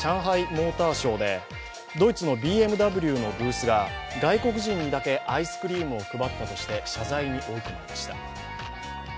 モーターショーでドイツのＢＭＷのブースが外国人にだけアイスクリームを配ったとして謝罪に追い込まれました。